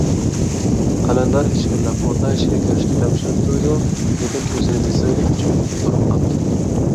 قەلەندەر ئىچكىرىلەپ ئوردا ئىچىگە كىرىشكە تەمشىلىپتۇ - يۇ، لېكىن ئۆزىنى بېسىۋېلىپ جىم تۇرۇپ قاپتۇ.